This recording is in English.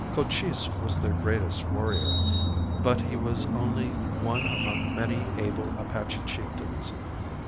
Cochise was their greatest warrior, but he was only one among many able Apache chieftains.